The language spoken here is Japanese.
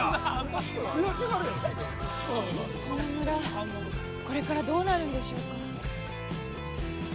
この村これからどうなるんでしょうか？